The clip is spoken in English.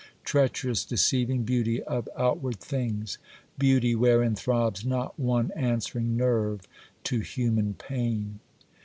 treacherous, deceiving beauty of outward things! beauty, wherein throbs not one answering nerve to human pain!